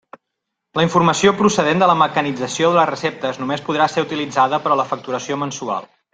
La informació procedent de la mecanització de les receptes només podrà ser utilitzada per a la facturació mensual.